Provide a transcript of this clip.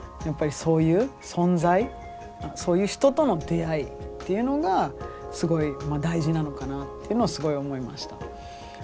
そういう存在そういう人との出会いっていうのがすごい大事なのかなっていうのはすごい思いました。